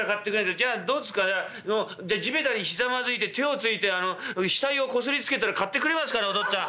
じゃあどうですかもうじゃあ地べたにひざまずいて手をついて額をこすりつけたら買ってくれますかねお父っつぁん。